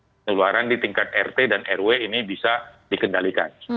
penularan di tingkat rt dan rw ini bisa dikendalikan